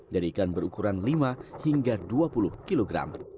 jadi ikan berukuran lima hingga dua puluh kg